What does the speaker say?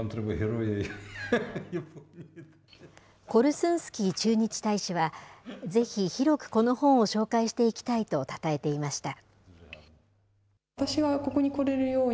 コルスンスキー駐日大使は、ぜひ広くこの本を紹介していきたいとたたえていました。